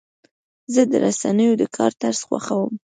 زه د رسنیو د کار طرز خوښوم.